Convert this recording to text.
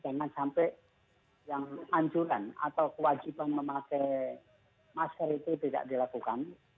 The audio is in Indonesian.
jangan sampai yang anjuran atau kewajiban memakai masker itu tidak dilakukan